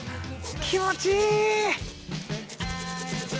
気持ちいい！